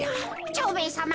蝶兵衛さま